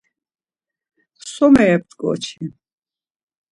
So meyep̌t̆ǩoçi?